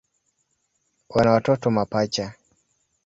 Wana watoto mapacha.